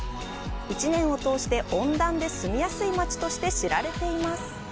１年を通して温暖で住みやすい街として知られています。